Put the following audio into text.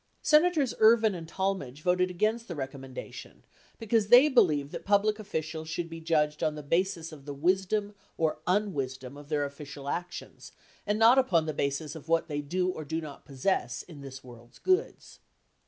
Senators Ervin and Talmadge voted against the recommendation because they believe that public officials should be judged on the basis of the wisdom or unwisdom of their official actions, and not upon the basis of what they do or do not possess in this world's goods.